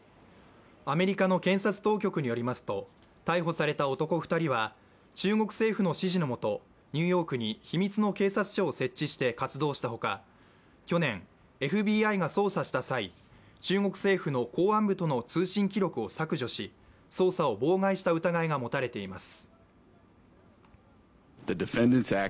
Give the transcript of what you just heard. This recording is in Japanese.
アメリカの検察当局によりますと、逮捕された男２人は中国政府の指示の下、ニューヨークに秘密の警察署を設置して活動したほか、去年ＦＢＩが捜査した際、中国政府との公安部との通信記録を削除し捜査を妨害した疑いが持たれています。